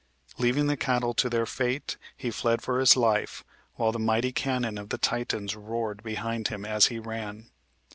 Leaving the cattle to their fate, he fled for his life, while the mighty cannon of the Titans roared behind him as he ran.